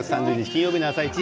金曜日の「あさイチ」